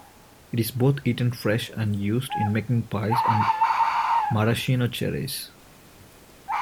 It is both eaten fresh and used in making pies and Maraschino cherries.